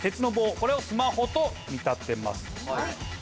これをスマホと見立てます。